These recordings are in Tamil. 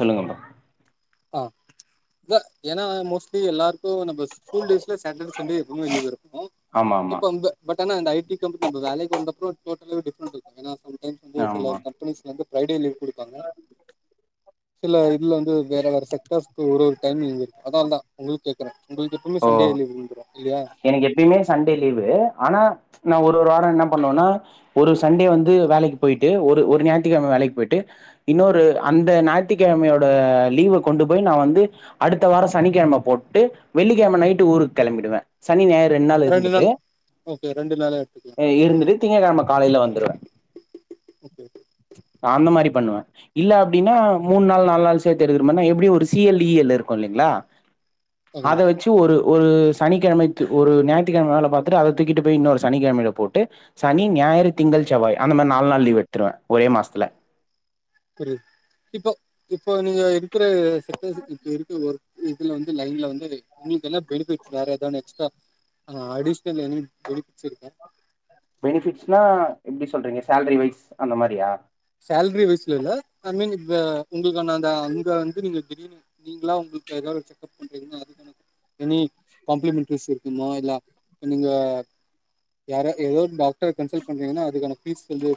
சொல்லுங்க மேடம் அ இ ஏனா மோஸ்ட்லி எல்லாருக்கு நம்ம ஸ்கூல் டேஸ்ல சாட்டர்டே சண்டே எப்பயுமே லிவு இருக்கு ஆமா ஆமா இப்ப ரொம்ப பட் ஆனா இந்த ஐ டி கம்பெனி நம் வேலைக்கு வந்த அப்றோ டோட்டல டிஃப்ரெ்ட் இருக்கு ஏனா சம்டைம் வந்து சில ஆமா கம்பெணிஸ்லா இருந்து ஃப்ரைடே லீவ் கொடுப்பாங்க சில இதுல வந்து வேற பிக்காஸ் ஒரு ஒரு டைம்ங் இருக்கு அதால தா உங்கள கேக்குற உங்களுக்கு எப்பவுமே ஓ சண்டே லிவ் இல்லயா எனக்கு எப்பயுமே சண்டே லீவு ஆனா நா ஒரு ஒரு வாரோ என்ன பண்ணுவனா ஒரு சண்டே வந்து வேலைக்கு போயிட்டு ஒரு ஒரு ஞாயித்துகிழம வேலைக்கு போயிட்டு இன்னொரு அந்த ஞாயித்துக்கிழமயோட லீவ கொண்டு போய் நா வந்து அடுத்த வார சனிக்கிழம போட்டு வெள்ளிக்கிழம நைட்டு ஊருக்கு கிளம்பிடுவ சனி ஞாயிற் ரெண்டு நாள் இருந்துட்டு ஓகே ரெண்டு நாளா எடுத்துக்கலா ஆ இருந்துட்டு திங்ககிழம காலையில வந்துடுவ [inaudible] அந்த மாதிரி பண்ணுவ இல்ல அப்டின்னா மூணு நாள் நாலு நாள் சேத்துடுக்கிறோமன்னா எப்டி ஒரு சீ எல் இ எல் இருக்கு இல்லைங்களா அத ஓகே வச்சு ட்டு ஒரு ஒரு சனிக்கெழமைக்கு ஒரு ஞாயித்துக்கெழம வேல பாத்துட்டு அத தூக்கிட்டு போய் இன்னொரு சனிக்கெழமையில போட்டு சனி ஞாயிறு திங்கள் செவ்வாய் அந்த மாரி நால் நாள் லீவ் எடுத்துடுவ ஒரே மாஸ்த்தல திரு இப்ப இப்போ நீங்க இருக்கிற செட்டஸ்க்கு இப்ப இருக்கு ஒரு இதுல வந்து லைன்ல வந்து வெ உங்களுக்கு என்ன பெனிஃபிட்ஸ் வேற எதோன்னு எக்ஸ்ட்ரா அ அடிஷ் க்கன்ல எனி பெனிபிட்ஸ் இருக்கா பெனிஃபிட்ஸ்னா எப்டி சொல்றீங்க சேல்ரி வைஸ் அந்த மாரியா சேல்ரி வயசுல இல்ல ஐ மீன் இத்வ உங்களுக்கான அந்த அங்கந்து நீங்க திடீன் நீங்களா உங்களுக்கு எதா ஒரு செக் அப் பண்றீங்கன்னா அதுக்கான எனி காம்ப்ளிமென்டரிஸ் இருக்குமோ இல்ல நீங்க யாரா எதோ டாக்டர் கன்சல்ட் பண்றீங்கன்னா அதுக்கான ஃபிஸ் வந்து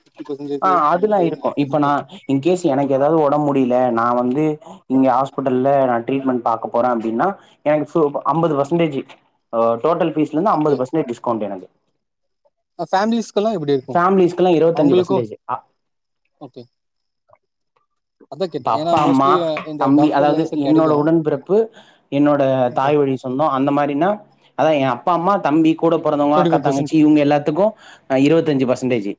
அ பர்சன்டேஜ் அந்த அதுல்லா மாரி எதும் இருக்கு ஆஃபர்ஸ் இப்ப நா போகு இன்கேஸ் எனக்கு ஏதாது ஒடம்பு முடியல நா வந்து இங்க ஹாஸ்பிட்டல்ல நா ட்ரீட்மெண்ட் பாக்க போறே அப்டின்னா எனக்கு ஃபு அம்பது பர்சன்டேஜு ஒ டோடல் பீஸ்ல இருந்து அம்பது ஓகே பர்சன்ட்டேஜ் டிஸ்கவுண்ட் எனக்கு ஃபேமிலிஸ்களா எப்டி இரு ஃபேமிலிஸ்க்கெல்லா இருவத்தஞ்சி பர்சன்டேஜ் அ ஓகே அதா கேட்டே இப்ப ஏன்னா அப்பா அம்மா மோஸ்ட்லி இந்த தம்பி டாக்டர் அதாவது லைன்ஸ் கெடைக்கு என்னோட உடன்பிறப்பு என்னோட ஓகே தாய்வழிச் சொந்தோ அந்த மாரின்னா அதா ஏ அப்பா அம்மா தம்பி கூட பொறந்தவங்க டுவெண்டி அக்கா ஃபைவ் பர்சன்ட் தங்கச்சி இவுங்க எல்லாத்துக்கு ஆ இருவத்தஞ்சி பர்சன்டேஜ்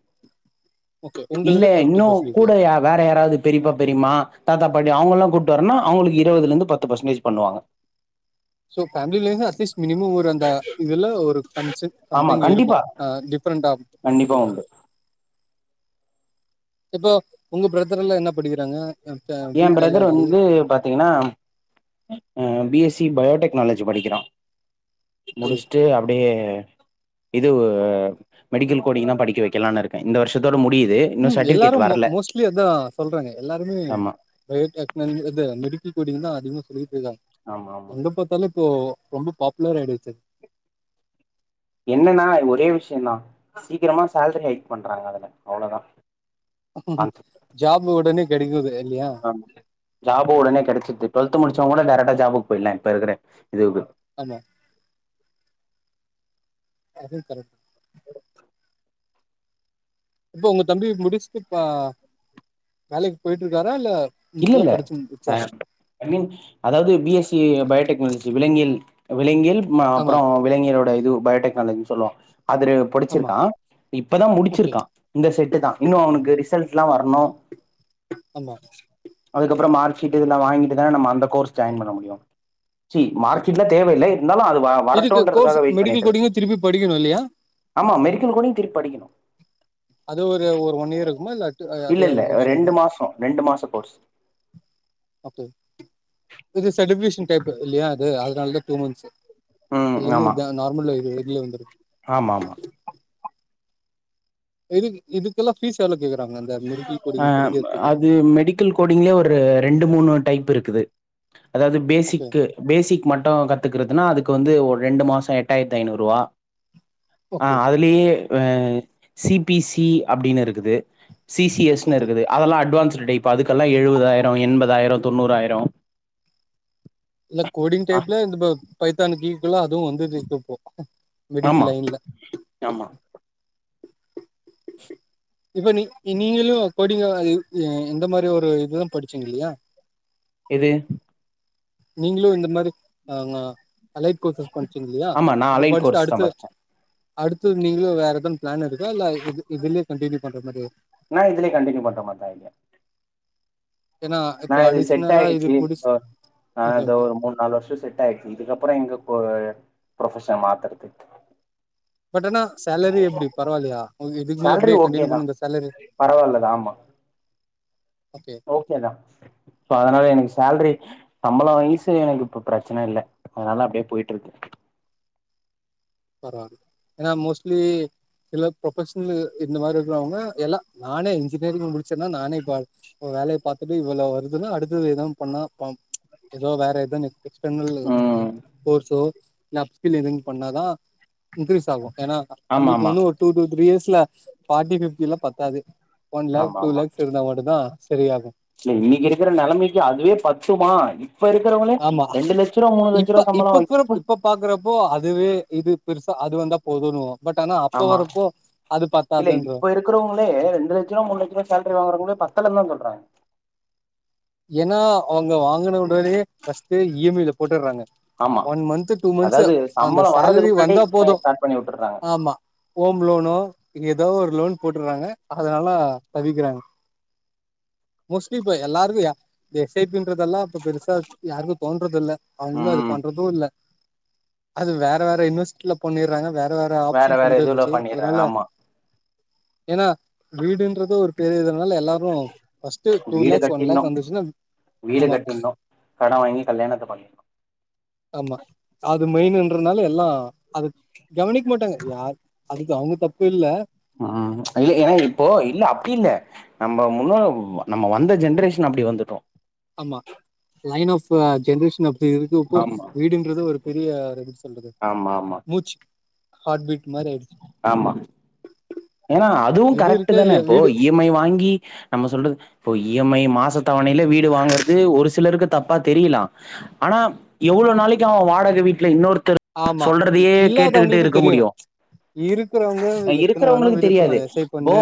ஓகே இல்ல உங்களுக்கு ஃபிப்டி இன்னு பர்சன்டேஜ் கூட யா வேற யாராவது பெரியப்பா பெரியமா தாத்தா பாட்டி அவங்கல்லா கூட்டு வரன அவங்களுக்கு இருவதுல இருந்து பத்து பர்சன்டேஜ் பண்ணுவாங்க சோ பேமிலந்து அட்லீஸ் மினிமம் ஒரு அந்த இதுல ஒரு கம்சன் ஆமா சம்திங் இருக்கு கண்டிப்பா ஆ டிப்ரெண்ட்டா ஆஃப் ஒகே கண்டிப்பா ஒகே உண்டு இப்போ உங்க பிரதர்ல்லா என்ன படிக்கிறாங்க அ ஏ வீட்ல எல்லா பிரதர் எப்டி வந்து பாத்தீங்கன்னா அ பிஎஸ்சி பயோடெக்னாலஜி படிக்கறா ஓகே முடிஸ்ட்டு அப்டியே இதுவு மெடிக்கல் கோடிங்னா படிக்க வைக்கலான் இருக்கே இந்த வருஷத்தோட முடியிது ம் எல்லாரு மோ மோஸ்ட்லி அதா சொல்றாங்க எல்லாருமே ஆமா பயோடெக்னாலாஜி இது மெடிக்கல் கோடிங்தா அதிகமா சொல்லிட்டு இருக்கா ஆமா ஆமா எங்க பாத்தாலு இப்போ ரொம்ப பாப்புலர் ஆயிடுசு என்னென்னா ஒரே விஷ்யோ தா சீக்கிரமா சேல்ரி ஹைக் பண்றாங்க அதுல அவ்ளோதா ஜாப் ஒடனே கெடைக்குது இல்லையா ஜாப் ஒடனே கெடைச்சிது டுவெல்த் முச்சவ கூட டேரக்டா ஜாபுக்கு போயிலா இப்ப இருக்கற இதுக்கு ஆமா அது கரட் [inaudible] இப்போ உங்க தம்பி முடிச்சிட்டு பா வேலைக்கு போயிட்டு இருக்காரா இல்ல இல்ல இப்பதா இல்ல படிச்சு ஆ முடிச்சாரா ஐமீன் அதாவது பிஎஸ்சி பயோடெக்னாலஜி விலங்கியல் விலங்கியல் ம ஆமா அப்புறோ விலங்கியலோடா இது பயோடெக்னாலஜி சொல்லுவாங்க அது ரெ ஆமா புடிச்சிருக்கா இப்பதா ஓகே முடிச்சிருக்கா இந்த செட்டுதா இன்னு அவனுக்கு ரிசல்ட்ல்லா வரணு ஆமா அதுக்கப்புறோ மார்க் ஷீட் இதெல்லா வாங்கிட்டு தான நம்ம அந்த கோர்ஸ் ஜாயின் பண்ண முடியு சி மார்க் ஷீட்லா தேவயில்ல இருந்தாலு அது வ இதுக்கு கோர்ஸ் வரட்டும்ன்றதுக்காக வெயிட் மெடிக்கல் பண்ணிட்டு இருக்கேன் கோடிங்க திருப்பி படிக்கணு இல்லையா ஆமா மெடிக்கல் கோடிங் திருப்பி படிக்கணு அது ஒரு ஒரு ஒன் இயர் இக்குமா இல்ல அட் அது இல்ல இல்ல எவ்ளோ வருஷோ வரு ரெண்டு மாசோ ரெண்டு மாச கோர்ஸ் அட் இது சட்ஃபிகேசன் கேக்கு இல்லியா அது அதனாலதா டூ மன்ஸ் ம் திலி ஆமா இதா நார்மல இது இதுல வந்துரு ஆமா ஆமா இதுக்கு இதுக்கெல்லா ஃபீஸ் எவ்ளோ கேக்குறாங்க அந்த மெடிக்கல் ஆ கோடிங் படிக்குறதுக்கு அது மெடிக்கல் கோடிங்லே ஒரு ரெண்டு மூனு டைப் இருக்குது அதாவது ஓகே பேசிக்கு பேசிக் மட்டு கத்துக்குறுதுனா அதுக்கு வந்து ஒரு ரெண்டு மாசோ எட்டாயிரத்தி ஐநூறு ரூபா ஆ ஓகே அதுலேயே சி பி சி அப்டின்னு இருக்குது சி சி எஸ்னு ஓகே இருக்குது அதெல்லா அட்வான்ஸ்ட்டு டைப் அதுக்கெல்லா எழுவதாயிரோ எண்பதாயிரோ தொண்ணூறாயிரோ இல்ல கோடிங் ஆ டைப்ல இந்த பைத்தான்க்கீக்குல்லா அதுவு வந்துட்டு இருக்கு இப்போ ஆமா மெடிக்கல்லைன்ல ஆமா [inaudible] இப்ப நீ நீங்களு கோடிங் இந் இந்த மாரி ஒரு இதுதா படிச்சீங்க இல்லையா எது நீங்களு இந்த மாரி அ அலைக் கோர்சஸ் படிச்சீங்க இல்லையா ஆமா நா இப்ப அலைன் படுச்சுட்டு கோர்ஸ் தா அடுத்த படிச்சே அடுத்து நீங்களு வேற ஏதாவது பிளான் இருக்கா இல்ல இது இதுலயே கண்டினியூ பண்ற மாரி இருக்கா நா இதுலே கண்டினிவ் பண்ற மாரி தா இருக்கே ஏன்னா இப்ப நான் இது செட் அடிஷ்னலா இது ஆயிடுச்சு முடிச் ஆ ஓகே அத ஓகே ஒரு மூனு நாலு வருஷோ செட் ஆயிடுச்சு இதுக்கப்புறோ எங்க ப்ரொபஷன் மாத்தறது பட் ஆனா சேலரி எப்டி பரவாயில்லையா இதுக்கு மேல அப்டியே கண்டியூ பண்ணி இந்த சேலரி பரவாயில்லதாம் ஆமா ஓகே ஓகேன்னா சோ அதனால எனக்கு சேல்ரி சம்மளம்வய்ஸ்சு எனக்கு இப்ப பிரச்சனை இல்ல அதனால அப்டியே போயிட்டுருக்கு பரவாயில்ல ஏன்னா மோஸ்ட்லி சில ப்ரொபஷனல இந்த மாரி இருக்கவங்க எல்லா நானே இன்ஜினியரிங் முடிச்சேன்னா நானே இப்ப வேலய பாத்துட்டு இவ்வளவு வருதுன்னா அடுத்தது எதவு பண்ணா ஏதோ வேற ஏதா ம் கோர்ஸோ இல் அப்பில் எதுவு பண்ணாதா இன்கிரீஸ் ஆகு ஏன்னா ஆமா நம்பளுக்கு ஆமா இன்னு ஒரு டூ டூ த்ரீ இயர்ஸ்ல ஃபார்ட்டி ஃபிப்டி எல்லா பத்தாது ஒன் லேக் ஆமா டூ ஆமா லேக்ஸ் இருந்தா மட்டு தான் சரி ஆகு இல்ல இன்னிக்கு இருக்குற நெலமைக்கு அதுவே பத்துமா இப்ப இருக்குறவங்களே ஆமா ரெண்டு லட்சரூபா மூனு லட்ச இப்ப ரூபா சம்பள இப்ப கூட வாங்க இப்ப பாக்குறப்போ அதுவே இது பெருசா அது வந்தா போதுன்னுவோ பட் ஆனா அப்ப வரப்போ அது பத்தாதுந்ருவே இருக்ரவங்களே ரெண்டு லட்ச ரூபா மூனு லட்ச ரூபா சேலரி வாங்குறங்களே பத்தலனு தா சொல்றாங்க ஏன்னா அவுங்க வாங்குன உடனே பஸ்ட்டுஇ எம் ஐ ல போட்டுற்றாங்க ஆமா ஒன் மந்த்து டூ மந்த்ஸ் அதாவது அந்த சம்பளம் வர்றதுக்கு சேலரி முன்னாடியே வந்தா இ எம் ஐ போது ஸ்டார்ட் பண்ணி விட்டுறாங்க ஆமா ஹோம் லோனோ ஏதோ ஒரு லோன் போட்டுறாங்க அதனால தவிக்கிறாங்க மோஸ்ட்லி இப்ப எல்லார்க எஸ் ஐ பி ன்றதெல்லா இப்ப பெருசா யார்கு தோன்றதில்ல அவுங்ளு அது ம் பண்றது இல்ல அது வேற வேற இன்வெஸ்ட்டுல பண்ணிறாங்க வேற வே வேற ஆப்ஷன்ஸ் வேற இதுல வந்துருச்சு பண்ணிடுறாங்க அதனால ஆமா ஏன்னா வீடுன்றது ஒரு பெரிய இது அதனால எல்லாரு பஸ்ட்டு டூ வீடு லேக்ஸ் ஒன் லேக் கட்டிட்ணு வந்துச்சுன்னா வீடு ஆமா கட்டிருந்தோ கட வாங்கி கல்யாணத்த பண்ணி ஆமா அது மெயினுன்றதனால எல்லா அது கவனிக்க மாட்டாங்க யார் அதுக்கு அவுங்க தப்பு இல்ல உம் இல்ல ஏன்னா இப்போ இல்ல அப்பி இல்ல நம்ம முன்னோ நம்ம வந்த ஜென்ரேஷன் அப்டி வந்துட்டோ ஆமா லைன் ஆஃப் ஜென்ரேஷன் ஆப் து இருக்கு இப்போ ஆமா வீடுன்றது ஒரு பெரிய ஒரு எப்புடி சொல்றது ஆமா ஆமா மூச்சுக் ஹார்ட் பீ்ட் மாரி ஆயிடுச்சு ஆமா ஏன்னா அதுவும் எது கரெக்ட்டு இருக்கோ தான இல்லையோ இப்போ வீடு இ எம் ஐ வாங்கி நம்ம சொல்றது இப்போ இ எம் ஐ மாச தவணையில வீடு வாங்கறது ஒரு சிலருக்கு தப்பா தெரியிலா ஆனா எவ்ளோ நாளைக்கு அவன் வாடக வீட்ல இன்னொருத்தர் ஆமா இ சொல்றதையே கேட்டுக்கிட்டு இல்லாதவங்களுக்கு இருக்க தெரியும் முடியு இருக்குறவங்க எத்த குறவங்களுக்கு தெரியாது இப்போ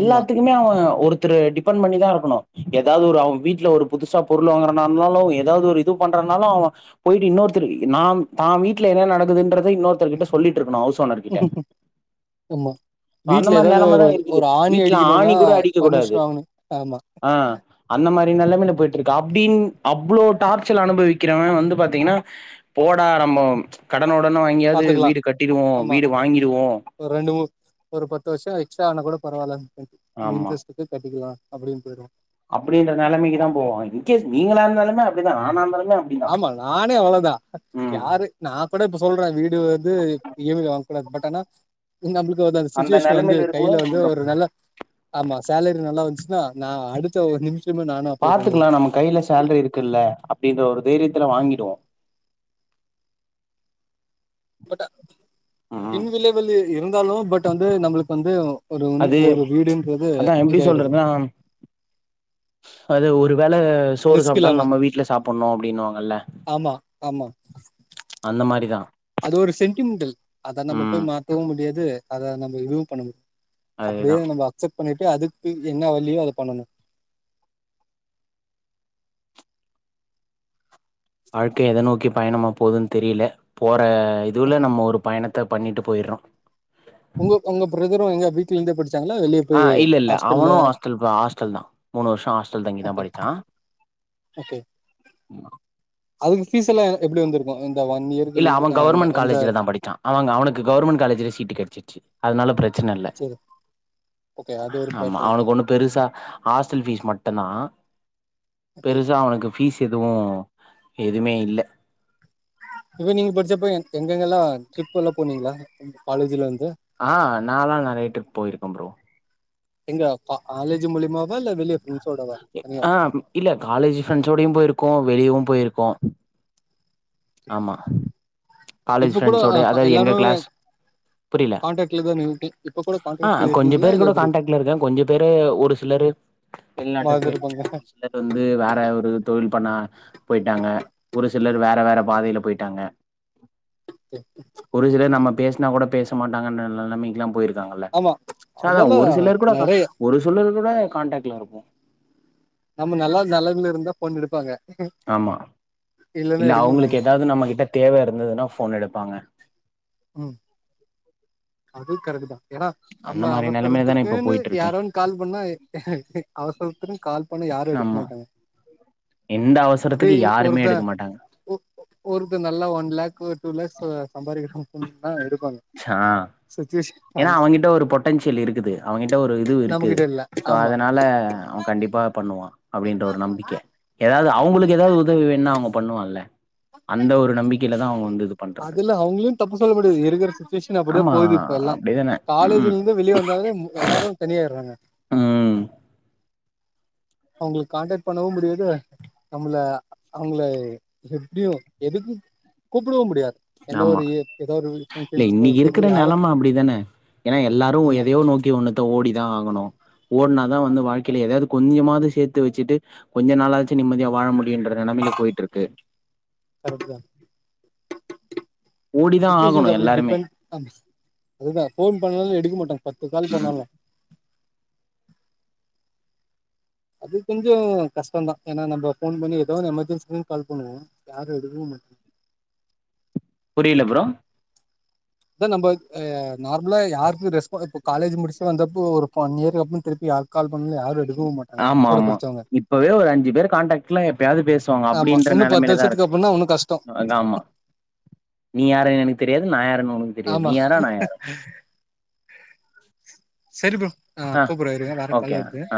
ஆமா இனிமே அவன் ஒருத்தரு டிபெண்ட் பண்ணிதான் இருக்கணும் ஏதாவது ஒரு அவன் வீட்ல ஒரு புதுசா பொருள் வாங்குறனாதனாலும் ஏ ஏதாவது ஒரு இது பண்றன்னாலும் அவன் போயிட்டு இன்னொருத்தரு இ நான் தான் வீட்ல என்ன நடக்குதுன்றத இன்னொருத்தர் கிட்ட ஸ் சொல்லிட்ருக்கணும் ஹவுஸ் ஓனர்க்கிட்ட ஆமா ஆ அந்த வீட்ல மாரி ஏதாவது ஒரு நெலமதா இருக்குது ஒரு ஆணி வீட்ல ஆணி அடிக்கணும்னா கூட அடிக்க கூடாது பர்மிஷன் வாங்கணு ஆமா ஆ அந்த மாரி நெலமையில போயிட்ருக்கு அப்புடின் அவ்வுளோ டார்ச்சல் அனுபவிக்கிறவன் வந்து பாத்தீங்கன்னா போடா நம்போம் கடன ஒடன வாங்கியாவது பாத்துக்கலா வீடு கட்டிடுவோ வீடு வாங்கிடுவோ ஒ ரெண்டு மூ ஒரு பத்து வருஷோ எக்ஸ்ட்டா ஆனா கூட பரவால்ல இண் அந்த ஆமா இண்ரெஸ்ட்டு திருப் கட்டிக்கிலா அப்புடின் போயிடுவாங் அப்புடின்ற நெலமைக்கி தா போவா இன்கேஸ் நீங்களா இருந்தாலுமே அப்புடிதா நானா இருந்தாலுமே அப் அப்படிதான் ஆமா நானே அவளோ தா ம் யாரு நான் கூட இப்ப சொல்ற வீடு வந்து இ எம் ஐல வாங்க கூடாது பட் ஆனா ம் நம்புளுக்கு வந்து அந்த சுச்சுவேஷன் வந்து நிலைமையில கையில இருக்கும்போது வந்து நமக்கு ஒரு அப்படிதான் நல்ல ஆமா சேலரி நல்லா வந்துச்சுன்னா நான் அடுத்த ஒரு நிமிஷமே நா பாத்துக்குலா நம்ம கையில சேல்ரி இருக்குல்ல அப்புடின்ற ஒரு தைரியத்துல வாங்கிடுவோம் பட்ட ம் பின் விளைவுலு இருந்தாலும் பட் வந்து நம்புளுக்கு வந்து ஒ ஒரு உன் அது ஒரு வீடுன்றது அதான் எப்படி இதாயிடுது சொல்றதுன்னா அது ஒருவேள ஸ் சோறு ரிஸ்க் இல்லாம சாப்ட்டாலும் நம்ம வீட்ல சாப்புட்ணோ அப்புடின்னுவாங்கல்ல ஆமா ஆமா அந்த மாரி தா அது ஒரு சென்டிமென்டல் அத நம்ப போய் மாத்தவும் முடியாது அத நம்ப இதுவும் பண்ண [inaudible] அப்புடியே அதேதான் நம்ப அக்செப்ட் பண்ணிட்டு அதுக்கு என்ன வழியோ அத பண்ணணும் வாழ்க்கை எத நோக்கி பயணமா போதுன்னு தெரியில போற இதுவுல நம்மோ ஒரு பயணத் த்த பண்ணிட்டு போயிட்றோம் உங்க உங்க பிரதரும் எங்க வீட்லந்தே படிச்சாங்களா வெளியப் ஆ இல்ல இல்ல அவனும் ஹாஸ்டல் தா ஹாஸ்டல் தா மூனு வருஷோ ஹாஸ்டல் தங்கிதா ஓகே படிச்சா ஓகே அவுங்க ஃபீஸல்லா எங்க எப்புடி வந்துருக்கும் இந்த ஒன் இயருக்கு இது அ இந்த என்ஜாய் ஆமாங்க அவனுக்கு கவர்மெண்ட் காலேஜிலே சீட்டு கெடச்சிச்சி அதனால பிரச்சன இல்ல சரி ஓகே அது ஒரு ஆமா பேட்டர் அவனுக்கு ஒண்ணு பெருசா ஹாஸ்டல் ஃபீஸ் மட்டந்தா ஓகே பெருசா அவனுக்கு ஃபீஸ் எதுவு எதுமே இல்ல இப்ப நீங்க படிச்சப்ப எங் எங்கங்கெல்லா ட்ரிப்பல்லா போனீங்ளா [unintelligible] காலேஜிலந்து ஆ நால்லா நறைய ட்ரிப் போயிருக்க ப்ரோ எங்க கா காலேஜ் மூலியமாவா இல்ல வெளிய ஃப்ரெண்ட்ஸோடவா எ தனியா ஆ ம் இல்ல காலேஜ் ஃப்ரெண்ட்ஸோடையும் போயிருக்கோ வெளியவும் போயிருக்கோ ஆமா காலேஜ் இப்ப கூட ஃப்ரெண்ட்ஸோட அ கா அதா எங்க எல்லாரு கிளாஸ் புரில கான்டாக்ட்ல தான இருக்கு இப்ப கூட ஆ கான்டாக்ட்ல கொஞ்ச இருக்கீங்களா பேரு இல்ல கூட எப்டி கான்டாக்ட்ல இருக்கேன் கொஞ்ச பேரு ஒரு சிலரு நாட்டுக்கு போயிட்டீங்க மறந்துருப்பாங்க ஒரு சிலர் வந்து வேற ஒரு தொழில் பண்ணா போயிட்டாங்க ஒரு சிலர் வேற வேற பாதையில போயிட்டாங்க [inaudible] ஒரு சிலர் நம்ம பேசனா கூட பேச மாட்டாங்கன்ற நலமைக்கெலா போயிரு வாங்களா ஆமா சோ அதா அதெல்லா ஒரு சிலர் கூட நெறைய ஒரு சிலர் கூட கான்டாக்ட்ல இருப்போ அதா நம்ம நல்லா நெலமைலருந்தா போன் எடுப்பாங்க ஆமா இல்லன்னா இல்ல எடுக்க அவங்களுக்கு மாட்டாங்க ஏதாவது நம்ம கிட்ட தேவ இருந்ததுன்னா போன் எடுப்பாங்க ம் அது கரெக்டு தா ஏன்னா அந்த நம்ம மாரி நெலைமைல தானே இப்ப அவசரத்துக்குன்னு போயிட்டு இருக்கு யாரோன்னு கால் பண்ணா அவசரத்துக்கு கால் பண்ண யாரு எடுக்க மாட்டாங்க இந்த அவசரத்துக்கு யாருமே எடுக்க மாட்டாங்க ஓ ஒருத்த நல்லா ஒன் லேக் டூ லேக்ஸ் சம்பாதிக்கிறானு [unintelligible] எடுப்பாங்க சா ஏன்னா சுச்சுவேஷன் அவங்கிட்ட ஒரு பொட்டன்ஷியல் இருக்குது அவகிட்ட ஒரு இது இருக்குது நமக்கிட்ட இல்ல சோ ஆமா அதனால அவன் கண்டிப்பா பண்ணுவா அப்டின்ற ஒரு நம்பிக்க ஏதாவது அவங்களுக்கு ஏதாவது உதவி வேண்ண அவங்க பண்ணுவான்ல்ல அந்த ஒரு நம்பிக் அதுல அவங்களயு தப்பு சொல்ல முடியாது இருக்குற சிச்சுவேஷன் அப்டி தா ஆமா போகுது இப்ப எல்லா அப்டிதானே ம் காலேஜ்லருந்து வெளியே வந்தாலே எல்லாரு தனியாயிறாங்க ம் அவங்கள கான்டாக்ட் பண்ணவு முடியாது நம்மள அவங்கள எப்டியு எதுக்கு கூப்டவு முடியாது எந்த ஆமா ஒரு ஏதோ ஒரு உன் இல்ல ஃப்ரெண்ட்ஸ் கோ இன்னைக்கு செரி இருக்கிற யாரு நெலம அப்டிதானே ஏன்னா எல்லாரு ஆமா எதையோ நோக்கி ஒண்ணுத்த ஓடிதா ஆகணு ஓடுனாதா வந்து வாழ்க்கையில ஏதாயது கொஞ்சமாவது சேத்தி வெச்சிட்டு கொஞ்ச நாளாச்சும் நிம்மதியா வாழ முடியுன்ற நலமையில போயிட்ருக்கு கிரெக்ட்தா ஓடிதா சுச்சுவேஷன்ஸ் ஆகணு அப்படி எல்லாருமே டிபென் அ அதுதா போன் பண்ணாலு எடுக்க மாட்டா பத்து கால் ம் பண்ணாலு அது கொஞ்சோ கஷ்டதா ஏன்னா நம்ம போன் பண்ணி ஏதோ ஒன்னு எமர்ஜென்சினு கால் பண்ணுவோ யாரு எடுக்கவு மா புரியல ப்ரோ இதா நம்பொ ஆ நார்மலா யாருக்கு ரெஸ்பா இப்ப காலேஜ் முடிச்ட்டு வந்தப்போ ஒரு ஒன் இயரு அப்புறோ திருப்பி யா கால் பண்ணல யாரு எடு ஆமா ஆமா இப்பவே ஒரு அஞ்சு பேர் கான்டாக்ட்ல எப்பயாவது பேசுவாங்க அப்டின்ற நெலமைலதா இருக் இன்னு ஒண்ணு கஷ்ட்டொ அது ஆமா நீ யாருன் எனுக்கு தெரியாது நான் யாரன்னு உனுக் ஆமா சரி ப்ரோ நா ஆ கூபுட்ற இருங்க வேற ஓகே கால் வருது ஆ